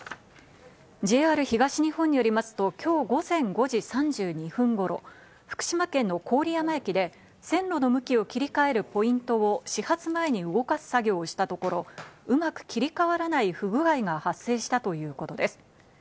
ＪＲ東日本によりますと今日午前５時３２分頃、福島県の郡山駅で線路の向きを切り替えるポイントを始発前に動かす作業をしたところ、うまく切り替わらない不具合が発生したということです。